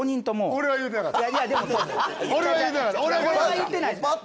俺は言うてなかった。